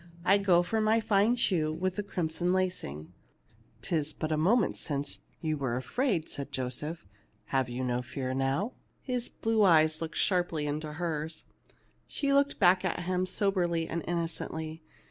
I go for my fine shoe with the crimson lacing." ""Tig but a moment since you were afraid," said Joseph. "Have you no fear now ?" His blue eyes looked sharply into hers. She looked back at him soberly and innocently.